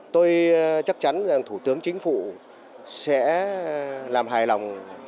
tôi chắc chắn rằng thủ tướng chính phủ sẽ làm hài lòng